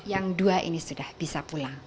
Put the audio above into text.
yang dua ini sudah bisa pulang